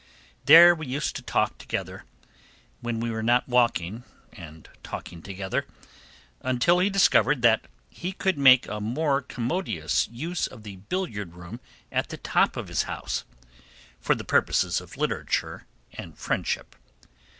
There we used to talk together, when we were not walking and talking together, until he discovered that he could make a more commodious use of the billiard room at the top of his house, for the purposes of literature and friendship.